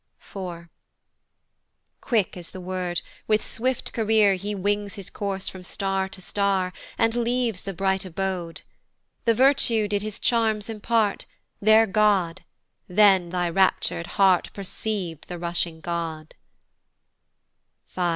IV. Quick as the word, with swift career He wings his course from star to star, And leaves the bright abode. The Virtue did his charms impart; Their G ! then thy raptur'd heart Perceiv'd the rushing God: V.